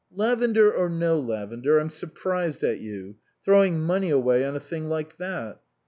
"Lavender or no lavender, I'm surprised at you throwing money away on a thing like that."